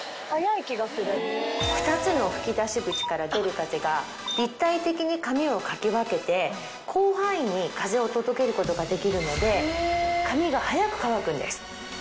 ２つの吹出口から出る風が立体的に髪をかき分けて広範囲に風を届けることができるので髪が早く乾くんです。